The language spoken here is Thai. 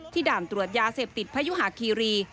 ที่ด่านตรวจยาเซพติดพระยุหะคิรี